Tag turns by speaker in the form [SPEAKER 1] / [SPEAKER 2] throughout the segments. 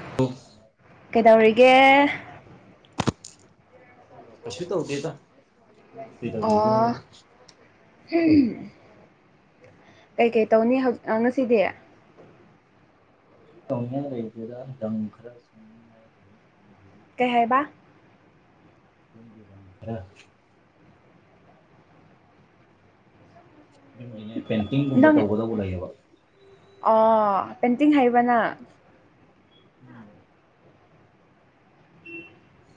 [SPEAKER 1] [unintelligible]
[SPEAKER 2] ꯀꯩꯗꯧꯔꯤꯒꯦ
[SPEAKER 1] ꯑꯩꯌꯣ ꯀꯩꯁꯨ ꯇꯧꯗꯦꯗ ꯅꯪꯗꯤ ꯀꯩꯗꯧꯔꯤꯅꯣ
[SPEAKER 2] ꯑꯣ ꯍꯝ ꯀꯩꯀꯩ ꯇꯧꯅꯤ ꯍꯧꯖꯤ ꯑ ꯉꯁꯤꯗꯤ
[SPEAKER 1] ꯁꯨ ꯇꯧꯅꯤꯡꯉꯥꯏ ꯂꯩꯇꯦꯗ ꯗꯪꯈꯔ ꯁꯪꯅꯤꯥꯡꯉꯥꯏ
[SPEAKER 2] ꯀꯩ ꯍꯥꯏꯕ
[SPEAKER 1] [unintelligible] ꯈꯔ ꯌꯨꯝꯒꯤꯅꯦ ꯄꯦꯟꯇꯤꯡꯒꯨꯝꯕ
[SPEAKER 2] ꯅꯪ
[SPEAKER 1] ꯇꯧꯒꯗꯧꯕ ꯂꯩꯌꯦꯕ
[SPEAKER 2] ꯑꯣ ꯄꯦꯟꯇꯤꯡ ꯍꯥꯏꯕ꯭ꯔꯥ ꯅꯪ
[SPEAKER 1] ꯎꯝ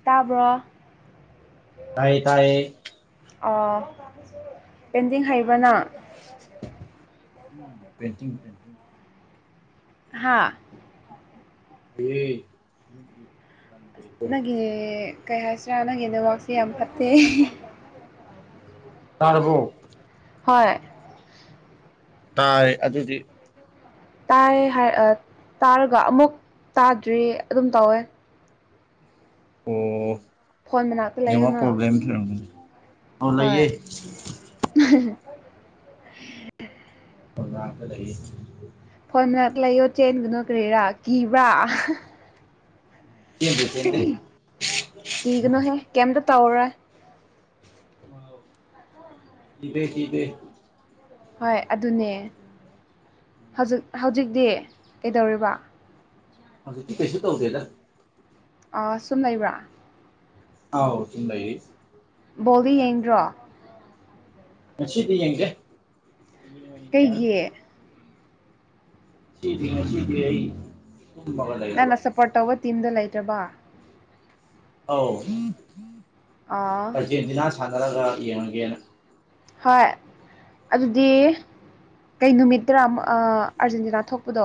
[SPEAKER 2] ꯇꯥꯕ꯭ꯔꯣ
[SPEAKER 1] ꯇꯥꯏꯌꯦ ꯇꯥꯏꯌꯦ
[SPEAKER 2] ꯑꯣ ꯄꯦꯟꯇꯤꯡ ꯍꯩꯕ꯭ꯔ ꯅꯪ
[SPEAKER 1] ꯎꯝ ꯄꯦꯟꯇꯤꯡ ꯄꯦꯟꯇꯤꯡ
[SPEAKER 2] ꯍꯥꯥ
[SPEAKER 1] ꯍꯩꯌꯦ
[SPEAKER 2] ꯅꯪꯒꯤ ꯀꯩ ꯍꯥꯏꯁꯤꯔꯥ ꯅꯪꯒꯤ ꯅꯦꯠꯋꯥꯛꯁꯦ ꯌꯥꯝ ꯐꯠꯇꯦ
[SPEAKER 1] ꯇꯥꯔꯕꯣ
[SPEAKER 2] ꯍꯣꯏ
[SPEAKER 1] ꯇꯥꯏ ꯑꯗꯨꯗꯤ
[SPEAKER 2] ꯇꯥꯏꯌꯦ ꯍꯥꯏꯔ ꯑ ꯇꯥꯔꯒ ꯑꯃꯨꯛ ꯇꯥꯗ꯭ꯔꯤ ꯑꯗꯨꯝ ꯇꯧꯋꯦ
[SPEAKER 1] ꯑꯣ
[SPEAKER 2] ꯐꯣꯟ ꯃꯅꯥꯛꯇ
[SPEAKER 1] ꯅꯦꯠꯋꯥꯛ
[SPEAKER 2] ꯂꯩꯌꯨꯅ
[SPEAKER 1] ꯄ꯭ꯔꯣꯕ꯭ꯂꯦꯝ ꯂꯩꯔꯝꯒꯅꯤ ꯑꯣ
[SPEAKER 2] ꯍꯣꯏ
[SPEAKER 1] ꯂꯩꯌꯦ
[SPEAKER 2] [unintelligible]
[SPEAKER 1] ꯑꯣꯗꯥꯛꯇ ꯂꯩꯌꯦ
[SPEAKER 2] ꯐꯣꯟ ꯃꯅꯥꯛ ꯂꯩꯌꯣ ꯆꯦꯟꯒꯅꯨ ꯀꯔꯤꯔꯥ ꯀꯤꯕ꯭ꯔꯥ
[SPEAKER 1] ꯆꯦꯟꯕꯨ ꯆꯦꯟꯗꯦ
[SPEAKER 2] ꯀꯤꯒꯅꯣꯍꯦ ꯀꯩꯝꯇ ꯇꯧꯔꯔꯣꯏ
[SPEAKER 1] ꯑꯥꯎ ꯀꯤꯗꯦ ꯀꯤꯗꯦ
[SPEAKER 2] ꯍꯣꯏ ꯑꯗꯨꯅꯦ ꯍꯧꯖꯤꯛ ꯍꯧꯖꯤꯛꯗꯤ ꯀꯩꯗꯧꯔꯤꯕ
[SPEAKER 1] ꯍꯧꯖꯤꯛꯇꯤ ꯀꯩꯁꯨ ꯇꯧꯗꯦꯗ
[SPEAKER 2] ꯑ ꯁꯨꯝ ꯂꯩꯕ꯭ꯔꯥ
[SPEAKER 1] ꯑꯥꯎ ꯁꯨꯝ ꯂꯩꯔꯤ
[SPEAKER 2] ꯕꯣꯜꯗꯤ ꯌꯦꯡꯗ꯭ꯔꯣ
[SPEAKER 1] ꯉꯁꯤꯗꯤ ꯌꯦꯡꯗꯦ ꯍꯌꯦꯡ ꯑꯣꯢꯅ ꯌꯦꯡꯉꯅꯤ
[SPEAKER 2] ꯀꯩꯒꯤ
[SPEAKER 1] ꯁꯤꯗꯤ ꯉꯁꯤꯗꯤ ꯑꯩ ꯇꯨꯝꯃꯒ ꯂꯩꯔꯕ
[SPEAKER 2] ꯄꯣꯔꯠ ꯇꯧꯕ ꯇꯤꯝꯗꯣ ꯂꯩꯇ꯭ꯔꯕ
[SPEAKER 1] ꯑꯧ
[SPEAKER 2] ꯑꯥ
[SPEAKER 1] ꯑꯔꯖꯦꯟꯇꯤꯅꯥ ꯁꯥꯟꯅꯔꯒ ꯌꯦꯡꯉꯒꯦꯅ
[SPEAKER 2] ꯍꯣꯏ ꯑꯗꯨꯗꯤ ꯀꯩ ꯅꯨꯃꯤꯠꯇꯥꯔ ꯃ ꯑ ꯑꯔꯖꯦꯟꯇꯤꯅꯥ ꯊꯣꯛꯄꯗꯣ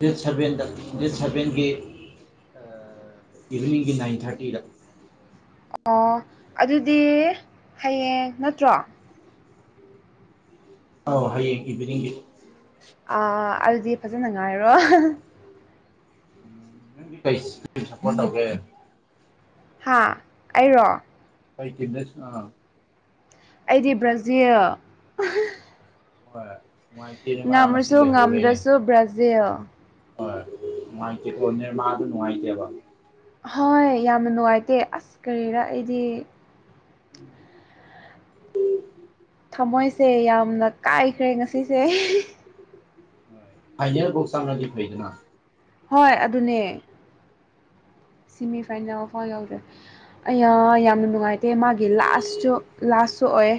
[SPEAKER 1] ꯗꯦꯠ ꯁꯚꯦꯟꯗ ꯗꯦꯠ ꯁꯚꯦꯟꯒꯤ ꯑ ꯏꯚꯤꯅꯤꯡꯒꯤ ꯅꯥꯏꯟ ꯊꯥꯔꯇꯤꯗ
[SPEAKER 2] ꯑꯣ ꯑꯗꯨꯗꯤ ꯍꯌꯦꯡ ꯅꯠꯇ꯭ꯔꯣ
[SPEAKER 1] ꯑꯧ ꯍꯌꯦꯡ ꯏꯚꯤꯅꯤꯡꯒꯤ
[SPEAKER 2] ꯑ ꯑꯗꯨꯗꯤ ꯐꯖꯅ ꯉꯥꯏꯔꯣ
[SPEAKER 1] ꯎꯝ ꯅꯪꯗꯤ ꯀꯩꯁ [unintelligible] ꯁꯄꯣꯔꯠ ꯇꯧꯒꯦ
[SPEAKER 2] ꯍꯥ ꯑꯩꯔꯣ
[SPEAKER 1] ꯀꯩ ꯇꯤꯝꯗꯁ ꯑ
[SPEAKER 2] ꯑꯩꯗꯤ ꯕ꯭ꯔꯥꯖꯤꯜ
[SPEAKER 1] ꯍꯣꯏ ꯃꯥꯏꯛ
[SPEAKER 2] ꯉꯝꯔꯁꯨ ꯉꯝꯗ꯭ꯔꯁꯨ ꯕ꯭ꯔꯥꯖꯤꯜ
[SPEAKER 1] ꯍꯣꯢ ꯅꯨꯡꯉꯥꯏꯇꯦꯀꯣ ꯅꯦꯃꯥꯔꯗꯨ ꯅꯨꯡꯉꯥꯏꯇꯦꯕ
[SPEAKER 2] ꯍꯣꯏ ꯌꯥꯝꯅ ꯅꯨꯡꯉꯥꯏꯇꯦ ꯑꯁ ꯀꯔꯤꯔꯥ ꯑꯩꯗꯤ
[SPEAKER 1] ꯎꯝ
[SPEAKER 2] ꯊꯃꯣꯏꯁꯦ ꯌꯥꯝꯅ ꯀꯥꯏꯈ꯭ꯔꯦ ꯉꯁꯤꯁꯦ
[SPEAKER 1] ꯍꯣꯏ ꯐꯥꯏꯅꯦꯜꯕꯧ ꯆꯡꯂꯗꯤ ꯐꯩꯗꯅ
[SPEAKER 2] ꯍꯣꯏ ꯑꯗꯨꯅꯦ ꯁꯤꯃꯤꯐꯥꯏꯅꯦꯜ ꯐꯥꯎ ꯌꯧꯗ꯭ꯔꯤ ꯑꯌꯥ ꯌꯥꯝꯅ ꯅꯨꯡꯉꯥꯏ ꯇꯦ ꯃꯥꯒꯤ ꯂꯥꯁꯠꯁꯨ ꯂꯥꯁꯁꯨ ꯑꯣꯏꯌꯦ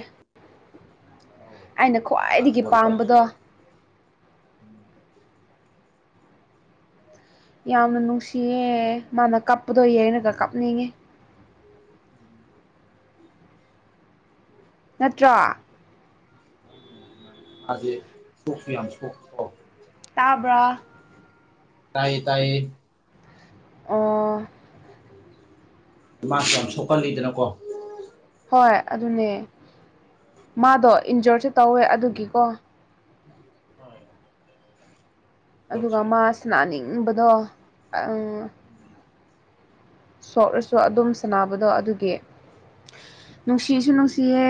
[SPEAKER 1] ꯑꯧ
[SPEAKER 2] ꯑꯩꯅ
[SPEAKER 1] ꯂꯥꯁ
[SPEAKER 2] ꯈ꯭ꯋꯥꯏꯗꯒꯤ
[SPEAKER 1] ꯋꯥꯔꯜ ꯀꯞꯁꯨ
[SPEAKER 2] ꯄꯥꯝꯕꯗꯣ
[SPEAKER 1] ꯎꯝ
[SPEAKER 2] ꯌꯥꯝꯅ ꯅꯨꯡꯁꯤꯌꯦ ꯃꯥꯅ ꯀꯞꯄꯗꯣ ꯌꯦꯡꯔꯒ ꯀꯞꯅꯤꯡꯉꯦ꯫ ꯅꯠꯇ꯭ꯔꯥ
[SPEAKER 1] ꯃꯥꯅꯦ ꯃꯥꯅꯦ ꯃꯥꯗꯤ ꯁꯣꯛꯁꯨ ꯌꯥꯝ ꯁꯣꯛꯇ꯭ꯔꯣ
[SPEAKER 2] ꯇꯥꯕ꯭ꯔꯥ
[SPEAKER 1] ꯇꯥꯏꯌꯦ ꯇꯥꯏꯌꯦ
[SPEAKER 2] ꯑꯣ
[SPEAKER 1] ꯃꯥꯁꯨ ꯌꯥꯝ ꯁꯣꯛꯀꯜꯂꯤꯗꯅꯀꯣ
[SPEAKER 2] ꯍꯣꯏ ꯑꯗꯨꯅꯦ ꯃꯥꯗꯣ ꯏꯟꯖꯣꯔꯁꯨ ꯇꯧꯋꯦ ꯑꯗꯨꯒꯤꯀꯣ
[SPEAKER 1] ꯍꯣꯏ
[SPEAKER 2] ꯑꯗꯨꯒ ꯃꯥ ꯁꯟꯅꯥꯅꯤꯡꯕꯗꯣ ꯑꯪ ꯁꯣꯛꯔꯁꯨ ꯑꯗꯨꯝ ꯁꯥꯟꯅꯕꯗꯣ ꯑꯗꯨꯒꯤ ꯅꯨꯡꯁꯤꯁꯨ ꯅꯨꯡꯁꯤꯌꯦ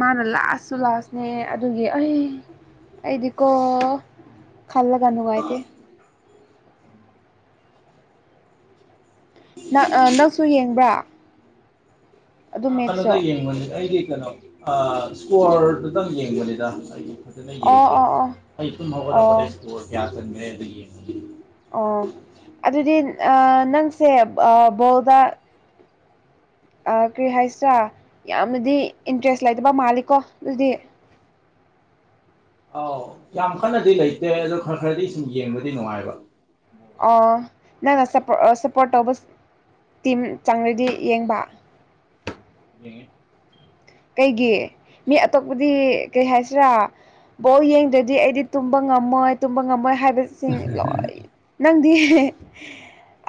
[SPEAKER 2] ꯃꯥꯅ ꯂꯥꯁꯠꯁꯨ ꯂꯥꯁꯅꯦ ꯑꯗꯨꯒꯤ ꯑꯩ ꯑꯩꯗꯤꯀꯣ ꯈꯜꯂꯒ ꯅꯨꯡꯉꯥꯏꯇꯦ꯫ ꯅꯪ ꯑ ꯅꯪꯁꯨ ꯌꯦꯡꯕ꯭ꯔꯥ ꯑꯗꯨ
[SPEAKER 1] ꯑ ꯀꯅꯣꯗ
[SPEAKER 2] ꯃꯦꯠꯁꯇꯣ
[SPEAKER 1] ꯌꯦꯡꯕꯅꯦ ꯑꯩꯗꯤ ꯀꯅꯣ ꯑ ꯁ꯭ꯀꯣꯔꯗꯨꯗꯪ ꯌꯦꯡꯕꯅꯤꯗ [unintelligible] ꯗꯨꯗ
[SPEAKER 2] ꯑꯣ
[SPEAKER 1] ꯌꯦꯡꯗꯦ
[SPEAKER 2] ꯑꯣ
[SPEAKER 1] ꯑꯩ ꯇꯨꯝ
[SPEAKER 2] ꯑꯣ ꯑꯣ
[SPEAKER 1] ꯍꯧꯒꯠꯂꯛꯄꯗ ꯢꯁꯀꯣꯔ ꯀꯌꯥ ꯆꯟꯒ꯭ꯔꯦꯗꯣ ꯌꯦꯡꯕꯅꯦ
[SPEAKER 2] ꯑꯣ ꯑꯗꯨꯗꯤ ꯑ ꯅꯪꯁꯦ ꯑ ꯕꯣꯜꯗ ꯑ ꯀ꯭ꯔꯤ ꯍꯥꯏꯁꯤꯔꯥ ꯌꯥꯝꯅꯗꯤ ꯏꯟꯇ꯭ꯔꯦꯁ ꯂꯩꯇꯕ ꯃꯥꯜꯂꯤꯀꯣ ꯑꯗꯨꯗꯤ
[SPEAKER 1] ꯑꯧ ꯌꯥꯝ ꯀꯟꯅꯗꯤ ꯂꯩꯇꯦ ꯑꯗꯣ ꯈꯔ ꯈꯔꯗꯤ ꯁꯨꯝ ꯌꯦꯡꯕꯗꯤ ꯅꯨꯡꯉꯥꯏꯕ꯫
[SPEAKER 2] ꯑꯣ ꯅꯪꯅ ꯁꯄꯣꯔ ꯁꯞꯄꯣꯔꯠ ꯇꯧꯕ ꯇꯤꯝ ꯆꯪꯔꯗꯤ ꯌꯦꯡꯕ
[SPEAKER 1] ꯌꯦꯡꯉꯤ
[SPEAKER 2] ꯀꯩꯒꯤ ꯃꯤ ꯑꯇꯣꯞꯄꯗꯤ ꯀꯩ ꯍꯥꯏꯁꯤꯔꯥ ꯕꯣꯜ ꯌꯦꯡꯗ꯭ꯔꯗꯤ ꯑꯩꯗꯤ ꯇꯨꯝꯕ ꯉꯝꯃꯣꯏ ꯇꯨꯝꯕ ꯉꯝꯃꯣꯏ ꯍꯥꯏꯕ ꯁꯤꯡ ꯂꯣꯏ ꯅꯪꯗꯤ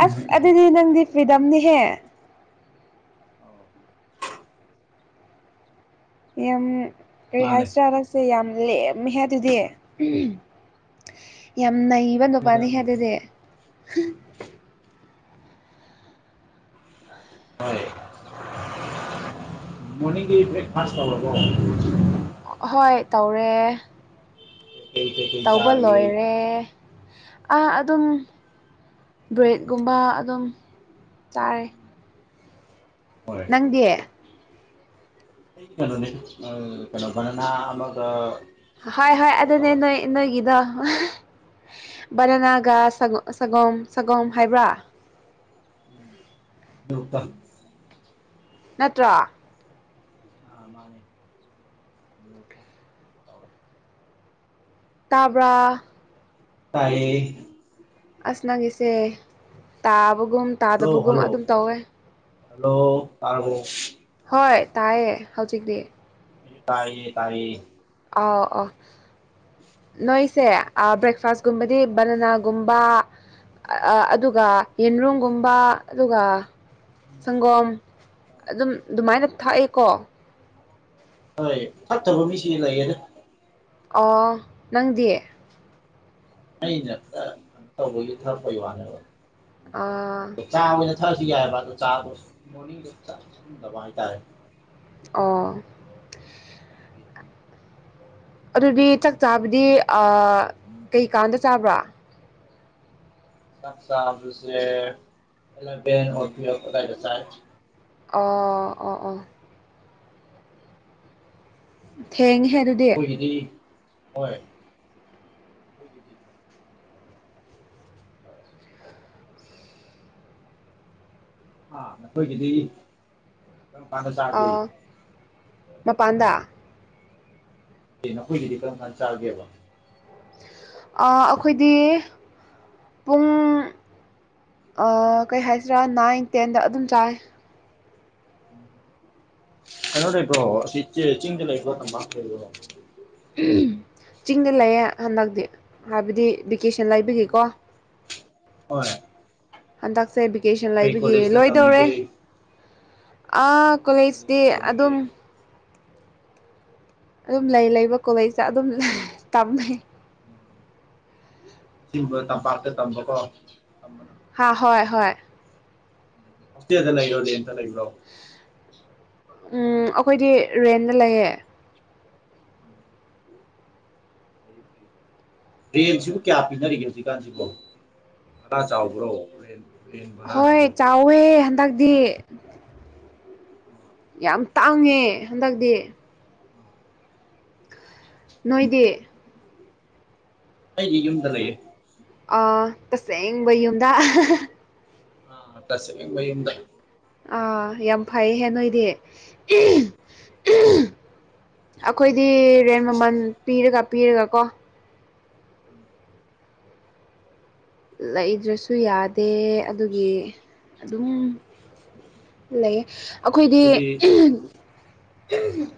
[SPEAKER 2] ꯑꯁ ꯑꯗꯨꯗꯤ ꯅꯪꯗꯤ ꯐ꯭ꯔꯤꯗꯝꯅꯤꯍꯦ
[SPEAKER 1] ꯑꯧ
[SPEAKER 2] ꯌꯥꯝ ꯀꯔꯤ
[SPEAKER 1] ꯃꯥꯅꯦ
[SPEAKER 2] ꯍꯥꯏꯁꯤꯔ ꯅꯪ ꯁꯦ ꯌꯥꯝ ꯂꯦꯝꯃꯦꯍꯦ ꯑꯗꯨꯗꯤ ꯌꯥꯝ ꯅꯩꯕ ꯅꯨꯄꯥꯅꯤꯍꯦ
[SPEAKER 1] ꯐ꯭ꯔꯤꯗꯝꯅꯦ
[SPEAKER 2] ꯑꯗꯨꯗꯤ
[SPEAKER 1] ꯍꯣꯏ ꯃꯣꯔꯅꯤꯡꯒꯤ ꯕ꯭ꯔꯦꯛꯐꯥꯁ ꯇꯧꯔꯕꯣ
[SPEAKER 2] ꯑ ꯍꯣꯏ ꯇꯧꯔꯦ꯫
[SPEAKER 1] ꯀꯩꯀꯩ ꯀꯩꯀꯩ
[SPEAKER 2] ꯇꯧꯕ
[SPEAKER 1] ꯆꯥꯔꯒꯦ
[SPEAKER 2] ꯂꯣꯏꯔꯦ ꯑꯥ ꯑꯗꯨꯝ ꯕ꯭ꯔꯦꯗꯀꯨꯝꯕ ꯑꯗꯨꯝ ꯆꯥꯔꯦ
[SPEAKER 1] ꯍꯣꯏ
[SPEAKER 2] ꯅꯪꯗꯤ
[SPEAKER 1] ꯑꯩꯗꯤ ꯀꯩꯅꯣꯅꯤꯗ ꯑ ꯀꯩꯅꯣ ꯕꯅꯥꯅ ꯑꯃꯒ
[SPEAKER 2] ꯍꯣꯏ
[SPEAKER 1] ꯁꯪꯒꯣꯝ
[SPEAKER 2] ꯍꯣꯏ
[SPEAKER 1] ꯑꯃꯒ
[SPEAKER 2] ꯑꯗꯨꯅꯦ
[SPEAKER 1] ꯇꯧꯔꯦ
[SPEAKER 2] ꯅꯣꯏ ꯅꯣꯏꯒꯤꯗꯣ ꯕꯅꯅꯥꯒꯥ ꯁ ꯁꯒꯣꯝ ꯁꯒꯣꯝ ꯍꯥꯏꯕ꯭ꯔꯥ?
[SPEAKER 1] [inaudible]
[SPEAKER 2] ꯅꯠꯇ꯭ꯔꯥ꯫
[SPEAKER 1] ꯑꯥ ꯃꯥꯅꯦ [inaudible]
[SPEAKER 2] ꯇꯥꯕ꯭ꯔꯥ꯫
[SPEAKER 1] ꯇꯥꯏꯌꯦ꯫
[SPEAKER 2] ꯑꯁ ꯅꯒꯤꯁꯦ ꯇꯥꯕꯒꯨꯝ
[SPEAKER 1] ꯍꯜꯂꯣ
[SPEAKER 2] ꯇꯥꯗꯕꯒꯨꯝ
[SPEAKER 1] ꯍꯜꯂꯣ
[SPEAKER 2] ꯑꯗꯨꯝ ꯇꯧꯋꯦ꯫
[SPEAKER 1] ꯍꯜꯂꯣ ꯇꯥꯔꯕꫭ꯫
[SPEAKER 2] ꯍꯣꯏ ꯇꯥꯏꯌꯦ ꯍꯧꯖꯤꯛꯇꯤ꯫
[SPEAKER 1] ꯑꯩꯖꯨ ꯇꯥꯌꯦ-ꯇꯥꯌꯦ꯫
[SPEAKER 2] ꯑꯥꯎ ꯑꫭ ꯅꯣꯏꯁꯦ ꯕ꯭ꯔꯦꯛꯐꯥꯁꯀꯨꯝꯕꯗꯤ
[SPEAKER 1] ꯑꯥꯎ
[SPEAKER 2] ꯕꯅꯅꯥ ꯒꯨꯝꯕꯥ ꯑ ꯑꯗꯨꯒ ꯌꯦꯟꯔꯨꯝꯒꯨꯝꯕ ꯑꯗꯨꯒ ꯁꯪꯒꯣꯝ ꯑꯗꯨꯝ ꯗꯨꯃꯥꯏꯅ ꯊꯥꯛꯏꯀꯣ꯫
[SPEAKER 1] ꯍꯣꯏ ꯐꯠꯇꯕ ꯃꯤꯁꯤꯡꯁꯨ ꯂꯩꯌꯦꯗ꯫
[SPEAKER 2] ꯑꯣ ꯅꯪꯗꯤ꯫
[SPEAKER 1] ꯑꯩꯅ ꯈꯔ ꯀꯩꯅꯣ ꯇꯧꯕꯒꯤ ꯊꯛꯄꯩ ꯋꯥꯅꯦꯕ꯫
[SPEAKER 2] ꯑꯥ꯫
[SPEAKER 1] ꯀꯩꯅꯣꯗꯣ ꯆꯥ ꯑꯣꯏꯅ ꯊꯛꯑꯁꯨ ꯌꯥꯏꯑꯦꯕ ꯑꯗꯣ ꯆꯥꯗꫭ ꯃꫭꯔꯅꯤꯡꯗ ꯆꯥ ꯊꯛꯅꯤꯡꯗꯕ ꯍꯥꯏꯇꯥꯔꯦ꯫
[SPEAKER 2] ꯑꫭ꯫
[SPEAKER 1] ꯑꯗꯨꯒꯤ ꯑꯩꯅ
[SPEAKER 2] ꯑꯗꯨꯗꯤ ꯆꯥꯛ
[SPEAKER 1] ꯁꯪꯒꯣꯝ
[SPEAKER 2] ꯆꯥꯕꯗꯤ
[SPEAKER 1] ꯑꯣꯏꯅ ꯊꯛ
[SPEAKER 2] ꯀꯩꯀꯥꯟꯗ ꯆꯥꯕ꯭ꯔꯥ꯫
[SPEAKER 1] ꯆꯥꯛ ꯆꯥꯕꯁꯦ ꯑꯦꯂꯚꯦꯟ ꯑꫭ ꯇꯨꯋꯦꯞ ꯑꯗꯥꯏꯗ ꯆꯥꯑꯦ꯫
[SPEAKER 2] ꯑꯣ ꯑꯣꯥ ꯑꯣꯥ꯫ ꯊꯦꯡꯍꯦ ꯑꯗꯨ
[SPEAKER 1] ꯑꯈꯣꯏꯒꯤꯗꯤ ꯍꯣꯏ꯫ ꯑꯈꯣꯏꯒꯤꯗꯤ ꯍꯥ ꯅꯈꯣꯏꯒꯤꯗꯤ ꯀꯔꯝ ꯀꯥꯟꯗ ꯆꯥꯒꯦ꯫
[SPEAKER 2] ꯃꯄꯥꯟꯗꯥ꯫
[SPEAKER 1] ꯇ ꯦꯅꯈꯣꯏꯒꯤꯗꯤ ꯀꯔꯝ ꯀꯥꯟ ꯆꯥꯒꯦꯕ꯫
[SPEAKER 2] ꯑ ꯑꯈꯣꯏꯗꯤ ꯄꯨꯡ ꯑ ꯀꯩ ꯍꯥꯏꯁꯤꯔꯥ ꯅꯥꯏꯟ ꯇꯦꯟꯗ ꯑꯗꯨꯝ ꯆꯥꯑꯦ꯫
[SPEAKER 1] [unintelligible] ꯀꯩꯅꫭ ꯂꯩꯕ꯭ꯔꯣ ꯑꯁꯤ ꯆ ꯆꯤꯡꯗ ꯂꯩꯕ꯭ꯔꯣ ꯇꯝꯄꯥꯛꯇ ꯂꯩꯕ꯭ꯔꫭ꯫
[SPEAKER 2] [unintelligible] ꯆꯤꯡꯗ ꯂꯩꯌꯦ ꯍꯟꯗꯛꯇꯤ ꯍꯥꯏꯕꯗꯤ ꯚꯦꯀꯦꯁꯟ ꯂꯩꯕꯒꯤꯀꯣ꯫
[SPEAKER 1] [unintelligible] ꯍꯣꯏ꯫
[SPEAKER 2] ꯍꯟꯗꯛꯁꯦ ꯚꯦꯀꯦꯁꯟ
[SPEAKER 1] ꯀꯩ
[SPEAKER 2] ꯂꯩꯕꯒꯤ
[SPEAKER 1] ꯀꯣꯂꯦꯖꯇ
[SPEAKER 2] ꯂꯣꯏꯗꯧꯔꯦ
[SPEAKER 1] ꯇꯝꯃꯤꯒꯦ
[SPEAKER 2] ꯑꯥ
[SPEAKER 1] ꯀꯩ
[SPEAKER 2] ꯀꯣꯂꯦꯖꯇꯤ
[SPEAKER 1] ꯀꯣꯂꯦꯖꯇ ꯇꯝꯃꯤꯒꯦ
[SPEAKER 2] ꯑꯗꯨꯝ ꯑꯗꯨꯝ ꯂꯩ ꯂꯩꯕ ꯀꯣꯂꯦꯖꯇ ꯑꯗꯨꯝ [unintelligible] ꯇꯝꯑꯦ꯫
[SPEAKER 1] [inaudible] ꯁꯤꯕ ꯇꯝꯄꯥꯛꯇ ꯇꯝꯕꯀꯣ꯫ ꯇꯝꯕꯅ
[SPEAKER 2] ꯍꯣꯏ ꯍꯣꯏ꯫
[SPEAKER 1] ꯍꯣꯁꯇꯦꯜꯗ ꯂꯩꯔꯣ ꯔꯦꯟꯇ ꯂꯩꯕ꯭ꯔꯣ꯫
[SPEAKER 2] ꯎꯝ ꯑꯈꯣꯏꯗꯤ ꯔꯦꯟꯗ ꯂꯩꯌꯦ꯫
[SPEAKER 1] [inaudible] ꯐꯩꯌꯦ ꯐꯩꯌꯦ ꯔꯦꯟꯁꯤꯕꯨ ꯀꯌꯥ ꯄꯤꯅꯔꯤꯒꯦ ꯍꯧꯖꯤꯛꯀꯥꯟꯁꯤꯕꯣ꯫ ꯚꯔꯥ ꯆꯥꯎꯕ꯭ꯔꯣ ꯔꯦꯟ꯫ ꯔꯦꯟ
[SPEAKER 2] ꯍꯣꯏ
[SPEAKER 1] ꯚꯔꯥꯁꯤꯕꯣ
[SPEAKER 2] ꯆꯥꯎꯋꯦ ꯍꯟꯗꯛꯗꯤ꯫
[SPEAKER 1] [inaudible]
[SPEAKER 2] ꯌꯥꯝ ꯇꯥꯡꯉꯦ ꯍꯟꯗꯛꯇꯤ
[SPEAKER 1] [unintelligible]
[SPEAKER 2] ꯅꯣꯏꯗꯤ
[SPEAKER 1] ꯑꯩꯒꯤ ꯌꯨꯝꯗ ꯂꯩꯌꯦ
[SPEAKER 2] ꯑꯥ ꯇꯁꯦꯡꯕ ꯌꯨꯝꯗ
[SPEAKER 1] ꯑꯥ ꯇꯁꯦꯡꯕ ꯌꯨꯝꯗ
[SPEAKER 2] ꯑꯥ ꯌꯥꯝ ꯐꯩꯍꯦ ꯅꯣꯏꯗꯤ [unintelligible] ꯑꯩꯈꯣꯏꯗꯤ
[SPEAKER 1] ꯑꯗꯨꯅꯦ
[SPEAKER 2] ꯔꯦꯟ ꯃꯃꯜ ꯄꯤꯔꯒ ꯄꯤꯔꯒ ꯀꯣ
[SPEAKER 1] ꯎꯝ
[SPEAKER 2] ꯂꯩꯗ꯭ꯔꯁꯨ
[SPEAKER 1] ꯍꯣꯏ
[SPEAKER 2] ꯌꯥꯗꯦ ꯑꯗꯨꯒꯤ ꯑꯗꯨꯝ ꯂꯩꯌꯦ
[SPEAKER 1] ꯑꯗꯣ
[SPEAKER 2] ꯑꯩꯈꯣꯏꯗꯤ
[SPEAKER 1] ꯑꯗꯨꯗꯤ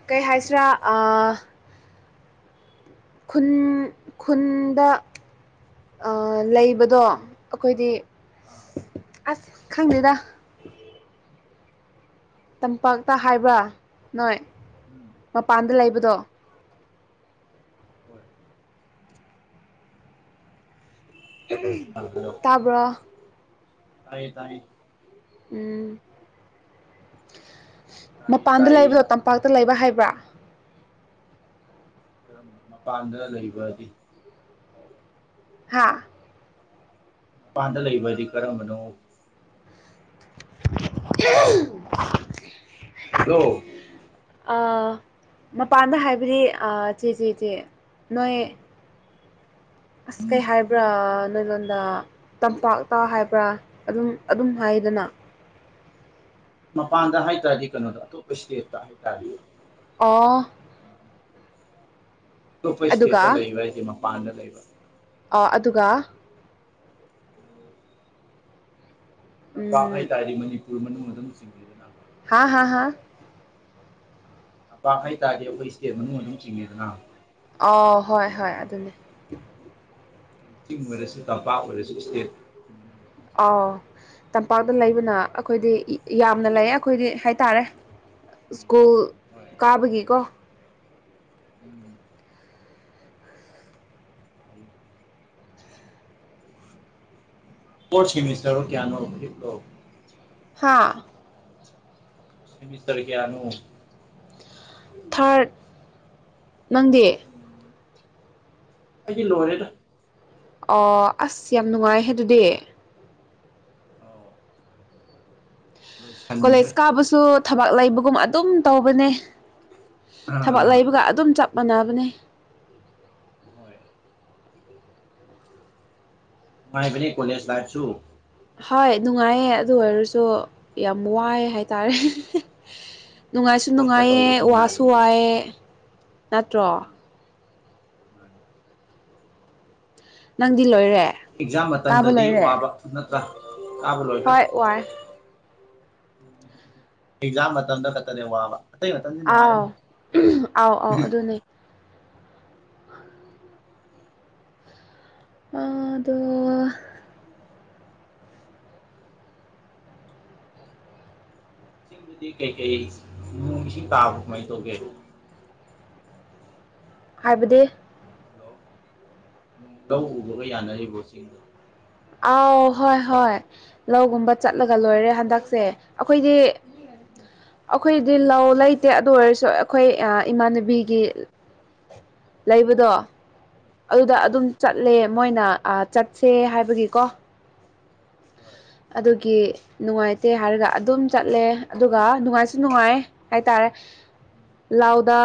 [SPEAKER 2] ꯀꯩ ꯍꯥꯏꯁꯤꯔ ꯑꯥ ꯈꯨꯟ ꯈꯨꯟꯗ ꯑꯥ ꯂꯩꯕ ꯗꯣ ꯑꯩꯈꯣꯏꯗꯤ
[SPEAKER 1] ꯑꯥ
[SPEAKER 2] ꯑꯁ ꯈꯪꯗꯦꯗ
[SPEAKER 1] [inaudible]
[SPEAKER 2] ꯇꯝꯄꯥꯛꯇ ꯍꯥꯏꯕ꯭ꯔꯥ ꯅꯣꯏ
[SPEAKER 1] ꯎꯝ
[SPEAKER 2] ꯃꯄꯥꯟꯗ
[SPEAKER 1] ꯎꯝ
[SPEAKER 2] ꯂꯩꯕꯗꯣ
[SPEAKER 1] ꯍꯣꯏ ꯍꯜꯂꯣ
[SPEAKER 2] ꯇꯥꯕ꯭ꯔꯣ
[SPEAKER 1] ꯇꯥꯏꯌꯦ ꯇꯥꯏꯌꯦ
[SPEAKER 2] ꯎꯝ
[SPEAKER 1] ꯇꯥꯏꯌꯦ
[SPEAKER 2] ꯃꯄꯥꯟꯗ
[SPEAKER 1] ꯇꯥꯏꯌꯦ
[SPEAKER 2] ꯂꯩꯕ꯭ꯔꯣ ꯇꯝꯄꯥꯛꯇ ꯂꯩꯕ ꯍꯥꯏꯕ꯭ꯔꯥ
[SPEAKER 1] ꯃꯄꯥꯟꯗ ꯂꯩꯕꯗꯤ
[SPEAKER 2] ꯍꯥꯥ
[SPEAKER 1] ꯃꯄꯥꯟꯗ ꯂꯩꯕ ꯍꯥꯏꯗꯤ ꯀꯔꯝꯕꯅꯣ
[SPEAKER 2] [unintelligible]
[SPEAKER 1] ꯍꯜꯂꯣ
[SPEAKER 2] ꯑꯥ ꯃꯄꯥꯟꯗ ꯍꯥꯏꯕꯗꯤ ꯑꯥ ꯆꯦ ꯆꯦ ꯆꯦ ꯅꯣꯏ ꯑꯁ ꯀꯩ ꯍꯥꯏꯕ꯭ꯔꯥ
[SPEAKER 1] ꯍꯥꯏꯔꯣ
[SPEAKER 2] ꯅꯣꯏ
[SPEAKER 1] ꯍꯥꯏꯔꯣ
[SPEAKER 2] ꯂꯣꯟꯗ ꯇꯝꯄꯥꯛꯇ ꯍꯥꯏꯕ꯭ꯔꯥ ꯑꯗꯨꯝ ꯑꯗꯨꯝ ꯍꯥꯏꯗꯅ
[SPEAKER 1] ꯃꯄꯥꯟꯗ ꯍꯥꯏ ꯇꯥꯔꯗꯤ ꯀꯩꯅꯣꯗ ꯑꯇꯣꯞꯄ ꯏꯁꯇꯦꯠꯇ ꯍꯥꯏꯇꯔꯦ
[SPEAKER 2] ꯑꯣ
[SPEAKER 1] ꯑꯇꯣꯞꯄ ꯏꯁꯇꯦꯠꯇ
[SPEAKER 2] ꯑꯗꯨꯒ
[SPEAKER 1] ꯂꯩꯕ ꯍꯥꯏꯁꯦ ꯃꯄꯥꯟꯗ ꯂꯩꯕ
[SPEAKER 2] ꯑꯣ ꯑꯗꯨꯒ
[SPEAKER 1] [inaudible] ꯇꯝꯄꯥꯛ
[SPEAKER 2] ꯎꯝ
[SPEAKER 1] ꯍꯥꯏꯇꯥꯥꯔꯗꯤ ꯃꯅꯤꯄꯨꯔ ꯃꯅꯨꯡ ꯑꯗꯨꯝ ꯆꯤꯡꯉꯤꯗꯅ
[SPEAKER 2] ꯍꯥ ꯍꯥ ꯍꯥ
[SPEAKER 1] ꯇꯝꯄꯥꯛ ꯍꯥꯏꯇꯥꯔꯗꯤ ꯑꯩꯈꯣꯏ ꯏꯁꯇꯦꯠ ꯃꯅꯨꯡ ꯑꯗꯨꯝ ꯆꯤꯡꯉꯦꯗꯅ
[SPEAKER 2] ꯑꯣ ꯍꯣꯏ ꯍꯣꯏ ꯑꯗꯨꯅꯦ
[SPEAKER 1] ꯆꯤꯡ ꯑꯣꯏꯔꯁꯨ ꯇꯝꯄꯥꯛ ꯑꯣꯏꯔꯁꯨ ꯏꯁꯇꯦꯠ ꯍꯣꯏ
[SPEAKER 2] ꯑꯥꯎ
[SPEAKER 1] [unintelligible]
[SPEAKER 2] ꯇꯝꯄꯥꯛꯇ ꯂꯩꯕꯅ ꯑꯩꯈꯣꯏꯗꯤ ꯌꯥꯝꯅ ꯂꯩꯌꯦ ꯑꯩꯈꯣꯏꯗꯤ ꯍꯥꯏꯇꯥꯔꯦ ꯏꯁ꯭ꯀꯨꯜ
[SPEAKER 1] ꯍꯣꯏ
[SPEAKER 2] ꯀꯥꯕꯒꯤꯀꯣ
[SPEAKER 1] ꯎꯝ ꯐꯩ ꯐꯩ ꯐꯣꯔꯠ ꯁꯦꯃꯤꯁꯇꯔꯣ ꯀꯌꯥꯅꯣ ꯐꯤꯝꯂꯣ
[SPEAKER 2] ꯍꯥꯥ꯫
[SPEAKER 1] ꯁꯦꯃꯤꯁꯇꯔ ꯀꯌꯥꯅꯣ꯫
[SPEAKER 2] ꯊꯥꯔꯠ ꯅꯪꯗꯤ꯫
[SPEAKER 1] ꯎꯝ ꯑꯩꯗꯤ ꯂꯣꯏꯔꯦꯗ꯫
[SPEAKER 2] ꯑꯣ ꯑꯁ ꯌꯥꯝ
[SPEAKER 1] ꯑꯩꯈꯣꯏꯗꯤ
[SPEAKER 2] ꯅꯨꯡꯉꯥꯏꯍꯦ
[SPEAKER 1] ꯂꯣꯏꯈ꯭ꯔꯦ
[SPEAKER 2] ꯑꯗꯨꯗꯤ꯫
[SPEAKER 1] ꯑꯧ꯫ ꯂꯣꯏꯁꯟꯈ꯭ꯔꯦ
[SPEAKER 2] ꯀꯣꯂꯦꯖ ꯀꯥꯕꯁꯨ ꯊꯕꯛ ꯂꯩꯕꯒꯨꯝ ꯑꯗꯨꯝ ꯇꯧꯕꯅꯦ꯫ ꯊꯕꯛ
[SPEAKER 1] ꯑꯥ
[SPEAKER 2] ꯂꯩꯕꯒ ꯑꯗꯨꯝ ꯆꯞ ꯃꯥꯟꯅꯕꯅꯦ꯫
[SPEAKER 1] ꯍꯣꯏ꯫ ꯅꯨꯡꯉꯥꯏꯕꯅꯤ ꯀꯣꯂꯦꯖ ꯂꯥꯏꯞꯁꯨ꯫
[SPEAKER 2] ꯍꯣꯏ ꯅꯨꯡꯉꯥꯏꯌꯦ ꯑꯗꯨ ꯑꯣꯏꯔꯁꯨ ꯌꯥꯝ ꯋꯥꯏ ꯍꯥꯏꯇꯥꯔꯦ꯫ ꯅꯨꯡꯉꯥꯏꯁꯨ
[SPEAKER 1] ꯕꯣꯠꯀ
[SPEAKER 2] ꯅꯨꯡꯉꯥꯏꯌꯦ
[SPEAKER 1] ꯇꯧꯕꯁꯦ
[SPEAKER 2] ꯋꯥꯁꯨ
[SPEAKER 1] ꯅꯨꯡꯉꯥꯏꯕꯅꯦ
[SPEAKER 2] ꯋꯥꯏꯑꯦ ꯅꯠꯇ꯭ꯔꯣ꯫
[SPEAKER 1] ꯎꯝ ꯃꯥꯅꯤ꯫
[SPEAKER 2] ꯅꯪꯗꯤ ꯂꯣꯏꯔꯦ꯫
[SPEAKER 1] ꯑꯦꯛꯖꯥꯝ
[SPEAKER 2] ꯀꯥꯕ
[SPEAKER 1] ꯃꯇꯝꯗꯗꯤ
[SPEAKER 2] ꯂꯣꯏꯔꯦ
[SPEAKER 1] ꯋꯥꯕ ꯅꯠꯇ꯭ꯔꯥ ꯀꯥꯕ ꯂꯣꯏꯈ꯭ꯔꯦ꯫
[SPEAKER 2] ꯍꯣꯏ ꯋꯥꯏ
[SPEAKER 1] ꯑꯦꯖꯥꯝ ꯃꯇꯝꯗ ꯈꯠꯇꯅꯦ ꯋꯥꯕ꯫ ꯑꯇꯩ ꯃꯇꯝꯗꯤ
[SPEAKER 2] ꯑꯥꯎ
[SPEAKER 1] ꯅꯨꯡꯉꯥꯏꯔꯅꯤ
[SPEAKER 2] ꯑꯥꯎ ꯑꯥꯎ ꯑꯗꯨꯅꯦ꯫ ꯃꯥꯗꯣ
[SPEAKER 1] ꯆꯤꯡꯗꯥꯗꯤ ꯀꯩꯀꯩ ꯅꯣꯡ ꯏꯁꯤꯡ ꯇꯥꯕ꯭ꯔꯥ ꯀꯃꯥꯏꯅ ꯇꯧꯒꯦ꯫
[SPEAKER 2] ꯍꯥꯏꯕꯗꯤ꯫
[SPEAKER 1] ꯍꯜꯂꯣ ꯅꯣꯡ ꯂꯧ ꯎꯕꯒ ꯌꯥꯅꯔꯤꯕꯣ ꯁꯤꯅꯤ꯫
[SPEAKER 2] ꯑꯥꯎ ꯍꯣꯏ ꯍꯣꯏ꯫ ꯂꯧꯒꯨꯝꯕ ꯆꯠꯂꯒ ꯂꯣꯏꯔꯦ ꯍꯟꯗꯛꯁꯦ ꯑꯩꯈꯣꯏꯗꯤ꯫
[SPEAKER 1] ꯎꯝ
[SPEAKER 2] ꯑꯩꯈꯣꯏꯗꯤ ꯂꯧ ꯂꯩꯇꯦ ꯑꯗꯨ ꯑꯣꯏꯔꯁꯨ ꯑꯩꯈꯣꯏ ꯏꯃꯥꯟꯅꯕꯤꯒꯤ꯫ ꯂꯩꯕꯗꯣ꯫ ꯑꯗꯨꯗ
[SPEAKER 1] ꯎꯝ
[SPEAKER 2] ꯑꯗꯨꯝ ꯆꯠꯂꯦ ꯃꯣꯏꯅ ꯑꯥ ꯆꯠꯁꯦ ꯍꯥꯏꯕꯒꯤꯀꯣ꯫
[SPEAKER 1] ꯍꯣꯏ
[SPEAKER 2] ꯑꯗꯨꯒꯤ ꯅꯨꯡꯉꯥꯏꯇꯦ ꯍꯥꯏꯔꯒ ꯑꯗꯨꯝ ꯆꯠꯂꯦ ꯑꯗꯨꯒ ꯅꯨꯡꯉꯥꯏꯁꯨ ꯅꯨꯡꯉꯥꯏꯌ ꯍꯥꯏꯇꯥꯔꯦ
[SPEAKER 1] ꯎꯝ
[SPEAKER 2] ꯂꯥꯎꯗꯥ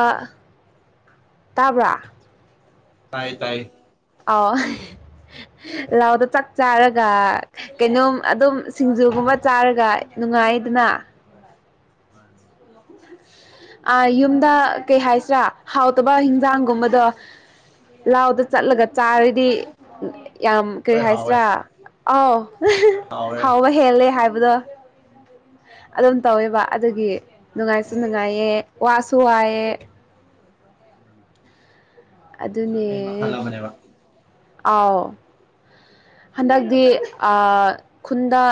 [SPEAKER 2] ꯇꯥꯕ꯭ꯔꯥ꯫
[SPEAKER 1] ꯇꯥꯏ ꯇꯥꯏ꯫
[SPEAKER 2] ꯑꯥꯎ ꯂꯧꯗ ꯆꯥꯛ
[SPEAKER 1] ꯍꯥꯏꯔꯣ
[SPEAKER 2] ꯆꯥꯔꯒ
[SPEAKER 1] ꯍꯥꯏꯔꯣ
[SPEAKER 2] ꯀꯩꯅꯣꯝ ꯑꯗꯨꯝ
[SPEAKER 1] ꯑꯥ
[SPEAKER 2] ꯁꯤꯡꯖꯨꯒꯨꯝꯕ ꯆꯥꯔꯒ ꯅꯨꯡꯉꯥꯏꯗꯅ꯫
[SPEAKER 1] ꯍꯣꯢ ꯃꯥꯅꯤ꯫
[SPEAKER 2] [inaudible] ꯑꯥ ꯌꯨꯝꯗ ꯀꯩ ꯍꯥꯏꯁꯤꯔꯥ ꯍꯥꯎꯇꯕ ꯍꯤꯟꯖꯥꯡꯒꯨꯝꯕꯗꯣ꯫ ꯂꯥꯎꯗ
[SPEAKER 1] ꯎꯝ
[SPEAKER 2] ꯆꯠꯂꯒ ꯆꯥꯔꯗꯤ ꯌꯥꯝ ꯀꯔꯤ
[SPEAKER 1] ꯂꯣꯏ ꯍꯥꯎꯋꯦ
[SPEAKER 2] ꯍꯥꯏꯁꯤꯔꯥ ꯑꯥꯎ
[SPEAKER 1] ꯂꯣꯏ ꯍꯥꯎꯔꯦ
[SPEAKER 2] ꯍꯥꯎꯕ ꯍꯦꯜꯂꯦ ꯍꯥꯏꯕꯗꯣ꯫
[SPEAKER 1] ꯎꯝ
[SPEAKER 2] ꯑꯗꯨꯝ
[SPEAKER 1] ꯃꯥꯅꯤ
[SPEAKER 2] ꯇꯧꯋꯦꯕ ꯑꯗꯨꯒꯤ ꯅꯨꯡꯉꯥꯏꯁꯨ
[SPEAKER 1] ꯑꯣ
[SPEAKER 2] ꯅꯨꯡꯉꯥꯏꯌꯦ ꯋꯥꯁꯨ ꯋꯥꯏꯑꯦ꯫
[SPEAKER 1] ꯑꯦꯟꯖꯣꯏꯃꯦꯟ ꯃꯈꯜ
[SPEAKER 2] ꯑꯗꯨꯅꯦ
[SPEAKER 1] ꯑꯃꯅꯦꯕ꯫
[SPEAKER 2] ꯑꯥꯎ ꯍꯟꯗꯛꯇꯤ ꯑꯥ ꯈꯨꯟꯗ